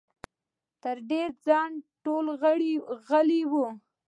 تر ډېره ځنډه ټول غلي وو.